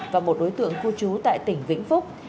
và một đối tượng khu chú tại tỉnh vĩnh phúc